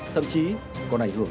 thậm chí còn ảnh hưởng